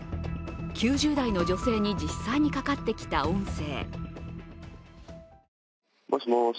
９０代の女性に実際にかかってきた音声。